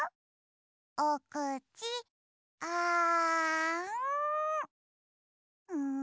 おくちあん！